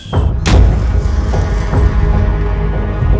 sandiwara sunan kudus